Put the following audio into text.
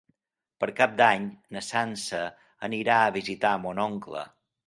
Per Cap d'Any na Sança anirà a visitar mon oncle.